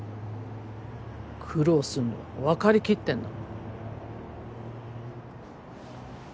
苦労するのは分かり切ってんだもん。